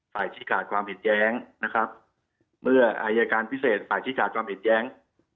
ฝ่ายที่ขาดความเห็นแย้งนะครับเมื่ออายการพิเศษฝ่ายที่ขาดความเห็นแย้ง